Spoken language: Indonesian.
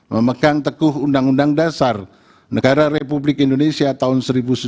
memegang teguh undang undang dasar negara republik indonesia tahun seribu sembilan ratus empat puluh lima